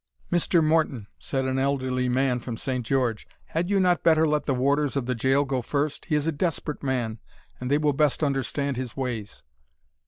"Mr. Morton," said an elderly man from St. George, "had you not better let the warders of the gaol go first; he is a desperate man, and they will best understand his ways?"